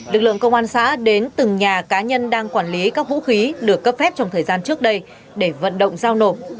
lực lượng công an xã đến từng nhà cá nhân đang quản lý các vũ khí được cấp phép trong thời gian trước đây để vận động giao nộp